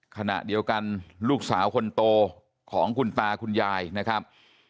ขณะเดียวกันลูกสาวคนโตของคุณตาคุณยายนะครับ